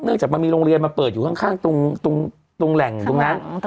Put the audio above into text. จากมันมีโรงเรียนมาเปิดอยู่ข้างตรงแหล่งตรงนั้น